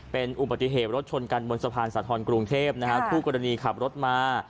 เป็นอุบัติเหตุรถชนกันบนสะพานสาธรณ์กรุงเทพนะฮะคู่กรณีขับรถมา